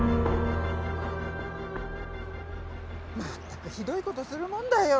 まったくひどい事するもんだよ。